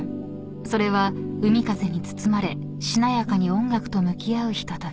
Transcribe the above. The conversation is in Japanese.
［それは海風に包まれしなやかに音楽と向き合うひととき］